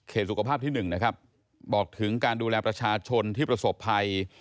สุขภาพที่๑นะครับบอกถึงการดูแลประชาชนที่ประสบภัย